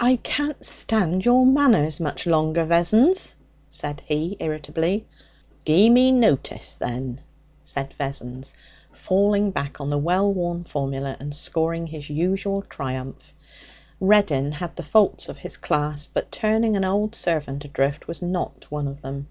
'I can't stand your manners much longer, Vessons,' said he irritably. 'Gie me notice, then,' said Vessons, falling back on the well worn formula, and scoring his usual triumph. Reddin had the faults of his class, but turning an old servant adrift was not one of them.